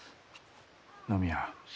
野宮